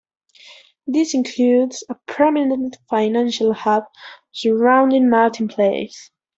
This includes a prominent financial hub surrounding Martin Place.